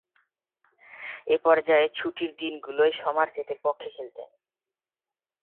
এ পর্যায়ে ছুটির দিনগুলোয় সমারসেটের পক্ষে খেলতেন।